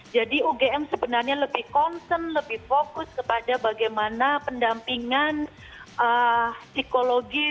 jadi ugm sebenarnya lebih konsen lebih fokus kepada bagaimana pendampingan psikologi